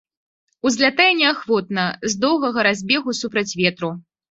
Узлятае неахвотна, з доўгага разбегу супраць ветру.